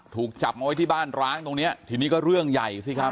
ถูกจับมาไว้ที่บ้านร้างตรงเนี้ยทีนี้ก็เรื่องใหญ่สิครับ